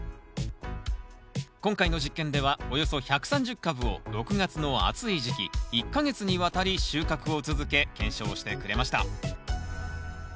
今回の実験ではおよそ１３０株を６月の暑い時期１か月にわたり収穫を続け検証してくれました。